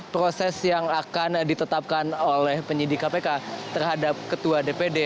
proses yang akan ditetapkan oleh penyidik kpk terhadap ketua dpd